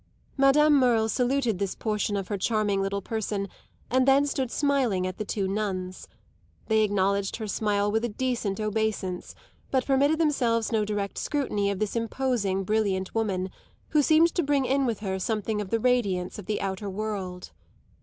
Madame Merle saluted this portion of her charming little person and then stood smiling at the two nuns. They acknowledged her smile with a decent obeisance, but permitted themselves no direct scrutiny of this imposing, brilliant woman, who seemed to bring in with her something of the radiance of the outer world.